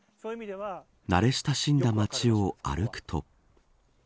慣れ親しんだ街を歩くと。